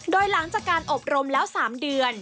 โดยหลังจากการอบรมแล้ว๓เดือน